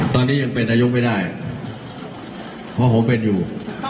ตอนนี้ยังเป็นอายุไม่ได้เพราะผมเป็นอยู่